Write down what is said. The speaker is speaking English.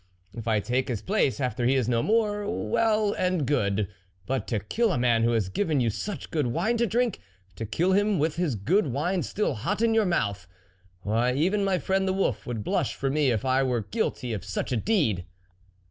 If I take his place after he is no more, well and good ; but to kill a man who has given you such good wine to drink ! to kill him with his good wine still hot in your mouth ! why, even my friend the wolf would blush for me if I were guilty of such a deed."